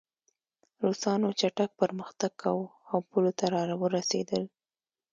روسانو چټک پرمختګ کاوه او پولو ته راورسېدل